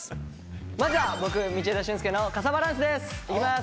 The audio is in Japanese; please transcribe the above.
まずは僕道枝駿佑の傘バランスです！